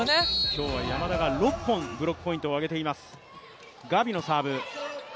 今日は山田が６本ブロックポイントを上げています。